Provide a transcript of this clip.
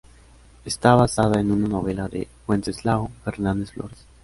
Está basada en una novela de Wenceslao Fernández Flórez.